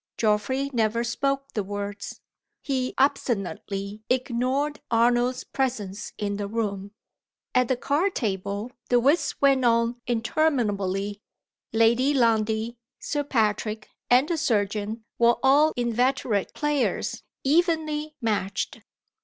Geoffrey never spoke the words; he obstinately ignored Arnold's presence in the room. At the card table the whist went on interminably. Lady Lundie, Sir Patrick, and the surgeon, were all inveterate players, evenly matched.